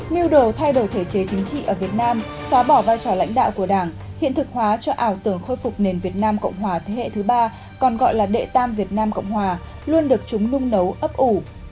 mưu đồ thay đổi thể chế chính trị ở việt nam xóa bỏ vai trò lãnh đạo của đảng hiện thực hóa cho ảo tưởng khôi phục nền việt nam cộng hòa thế hệ thứ ba còn gọi là đệ tam việt nam cộng hòa luôn được chúng nung nấu ấp ủ